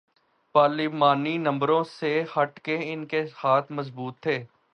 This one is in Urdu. پارلیمانی نمبروں سے ہٹ کے ان کے ہاتھ مضبوط تھے۔